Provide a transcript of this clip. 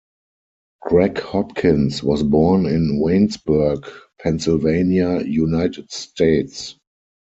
Greg Hopkins was born in Waynesburg, Pennsylvania, United States.